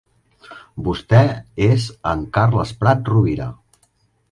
Vostè és en Carles Prat Rovira.